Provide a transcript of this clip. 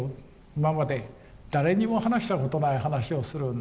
今まで誰にも話したことない話をするんなら。